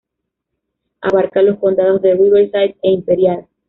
Abarca los condados de Riverside e Imperial.